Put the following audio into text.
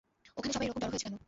ওখানে সবাই এরকম জড়ো হয়েছে কেন?